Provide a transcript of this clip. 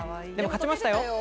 でも勝ちましたよ。